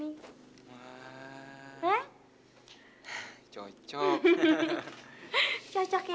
kira kira aku pantes gak pakai kain